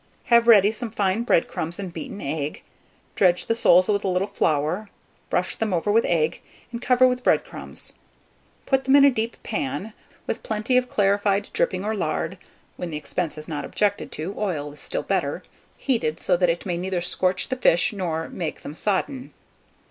Have ready some fine bread crumbs and beaten egg; dredge the soles with a little flour, brush them over with egg, and cover with bread crumbs. Put them in a deep pan, with plenty of clarified dripping or lard (when the expense is not objected to, oil is still better) heated, so that it may neither scorch the fish nor make them sodden.